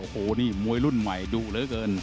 โอ้โหนี่มวยรุ่นใหม่ดุเหลือเกิน